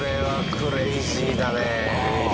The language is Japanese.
クレイジーだね。